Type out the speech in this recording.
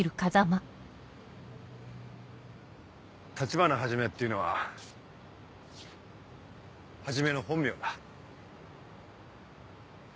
立花始っていうのは始の本名だ。